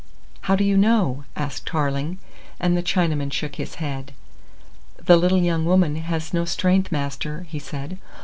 "How do you know?" asked Tarling; and the Chinaman shook his head. "The little young woman has no strength, master," he said.